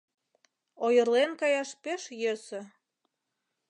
Ойырлен каяш пеш йӧсӧ.